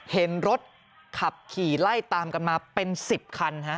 เห็นรถขับขี่ไล่ตามกันมาเป็น๑๐คัน